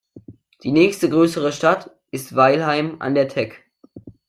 Die nächste größere Stadt ist Weilheim an der Teck.